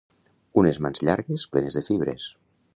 —unes mans llargues, plenes de fibres